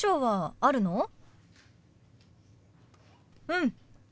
うん。